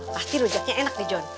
pasti rujaknya enak nih jon